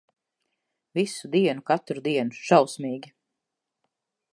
Visu dienu, katru dienu. Šausmīgi.